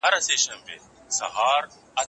اورېدل د کلتوري اړیکو په جوړولو کي تر لیکلو تېز دي.